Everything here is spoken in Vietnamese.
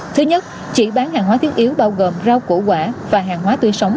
thứ nhất chỉ bán hàng hóa thiết yếu bao gồm rau củ quả và hàng hóa tươi sống